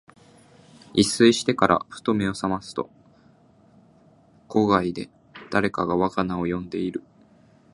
一睡してから、ふと眼めを覚ますと、戸外で誰かが我が名を呼んでいる。